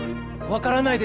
分からない